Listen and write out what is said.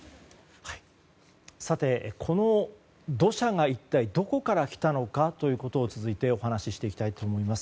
さて、この土砂が一体どこから来たのかを続いてお話ししていきたいと思います。